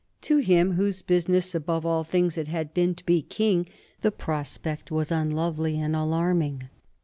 To him, whose business above all things it had been to be king, the prospect was unlovely and alarming.